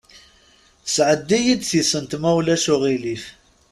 Sɛeddi-yi-d tisent, ma ulac aɣilif?